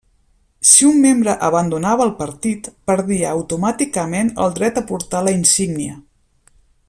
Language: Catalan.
Si un membre abandonava el Partit, perdia automàticament el dret a portar la insígnia.